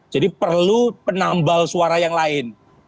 jadi perlu penambal suara yang lain